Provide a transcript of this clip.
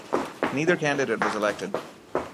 Neither candidate was elected.